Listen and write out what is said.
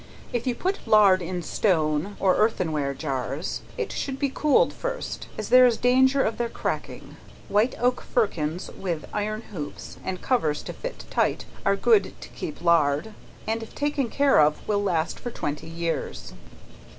If you put lard in stone or earthen jars, it should be cooled first, as there is danger of their cracking, white oak firkins with iron hoops, and covers to fit tight, are good to keep lard, and if taken care of will last for twenty years.